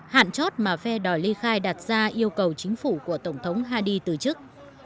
hạn chót mà phe đòi ly khai đặt ra yêu cầu chính phủ của tổng thống hadi từ chức